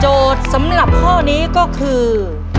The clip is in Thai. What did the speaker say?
โจทย์สำหรับข้อนี้ก็คือ